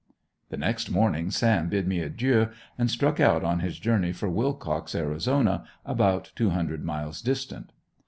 The next morning Sam bid me adieu and struck out on his journey for Willcox, Arizona, about two hundred miles distant.